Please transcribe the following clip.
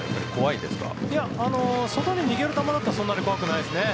いや外に逃げる球だったらそんなに怖くないですね。